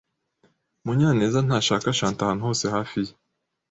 Munyanezntashaka Ashanti ahantu hose hafi ye.